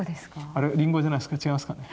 あれリンゴじゃないですか違いますか。